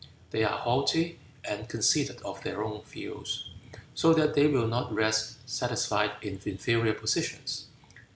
They are haughty and conceited of their own views, so that they will not rest satisfied in inferior positions.